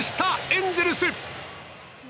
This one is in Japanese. エンゼルス